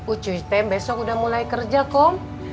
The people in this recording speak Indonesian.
ucuy tem besok udah mulai kerja kom